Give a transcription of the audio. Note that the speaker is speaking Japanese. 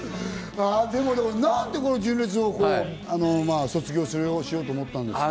でも、なんで純烈を卒業しようと思ったんですか？